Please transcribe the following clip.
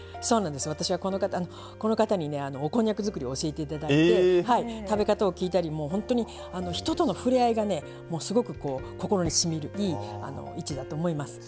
私はこの方にこんにゃく作りを教えていただいて食べ方を聞いたり人との触れ合いが、すごく心にしみる、いい市だと思います。